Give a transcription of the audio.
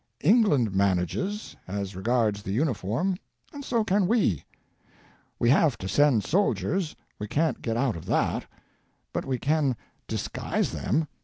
England manages, as regards the uniform, and so can we. We have to send soldiers — we can't get out of that — but we can disguise them.